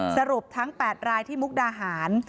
สรุปทั้ง๘รายที่มุกดาหาร